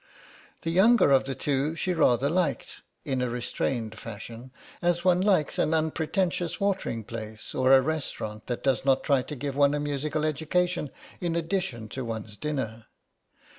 The younger of the two she rather liked, in a restrained fashion, as one likes an unpretentious watering place or a restaurant that does not try to give one a musical education in addition to one's dinner.